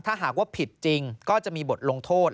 ถ้าหากว่าผิดจริงก็จะมีบทลงโทษ